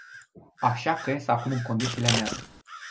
Așa că ies acum în condițiile mele”.